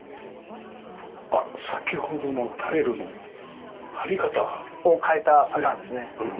あっ先ほどのタイルの貼り方が。を変えたパターンですね。